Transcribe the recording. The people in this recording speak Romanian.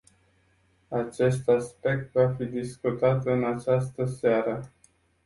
Acest aspect va fi discutat în această seară.